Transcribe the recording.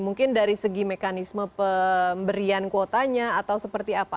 mungkin dari segi mekanisme pemberian kuotanya atau seperti apa